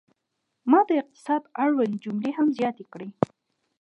ما د اقتصاد اړوند جملې هم زیاتې کړې.